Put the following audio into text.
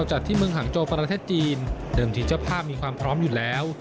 จัดที่เมืองหางโจประเทศจีนเดิมที่เจ้าภาพมีความพร้อมอยู่แล้ว